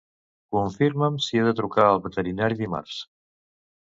Confirma'm si he de trucar al veterinari dimarts.